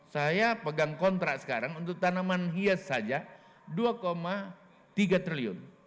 saya pegang kontrak sekarang untuk tanaman hias saja rp dua tiga triliun